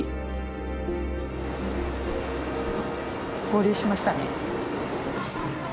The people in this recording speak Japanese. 合流しましたね。